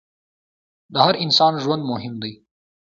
د هر انسان ژوند مهم دی.